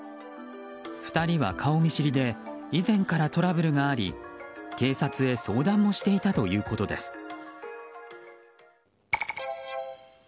２人は顔見知りで以前からトラブルがあり警察へ相談もしていたということです。